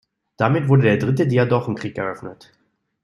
Damit wurde der dritte Diadochenkrieg eröffnet.